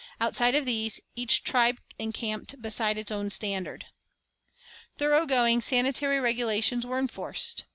Outside of these, each tribe encamped beside its own standard. Thorough going sanitary regulations were enforced.